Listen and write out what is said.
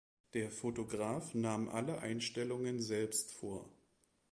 Der Fotograf nahm alle Einstellungen selbst vor.